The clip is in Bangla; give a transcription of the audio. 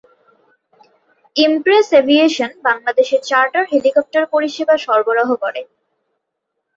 ইমপ্রেস এভিয়েশন বাংলাদেশে চার্টার হেলিকপ্টার পরিসেবা সরবরাহ করে।